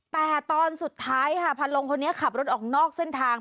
แต่ตอนสุดท้ายค่ะพันลงคนนี้ขับรถออกนอกเส้นทาง